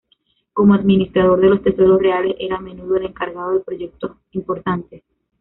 Como administrador de los tesoros reales era a menudo el encargado de proyecto importantes.